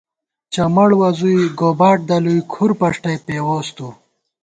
چمَڑ وَزُوئی، گوباٹ دلُوئی کھُر پشٹئ پېووس تُو